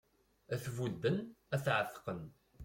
Ad t-budden ad t-εetqen